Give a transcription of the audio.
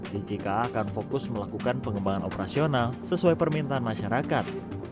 djka akan fokus melakukan pengembangan operasional sesuai permintaan masyarakat